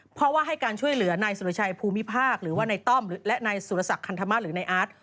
เพราะว่าให้การช่วยเหลือในสุรชัยภูมิภาคหรือว่าในต้อมและในสุรศักดิ์คัณฑมะหรือในอาร์ต